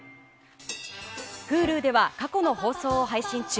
Ｈｕｌｕでは過去の放送を配信中。